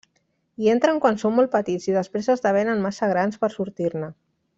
Hi entren quan són molt petits i després esdevenen massa grans per sortir-ne.